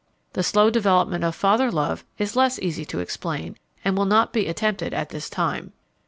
The slow development of father love is less easy to explain and will not be attempted at this time.